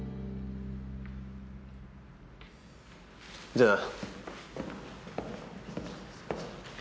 じゃあな。